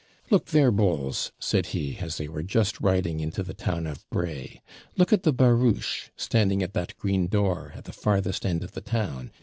'Look there, Bowles,' said he, as they were just riding into the town of Bray; 'look at the barouche, standing at that green door, at the farthest end of the town.